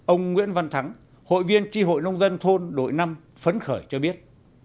ông nguyễn văn thắng hội viên tri hội nông dân thôn đội năm phấn khởi cho biết